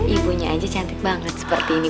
ibunya aja cantik banget seperti ini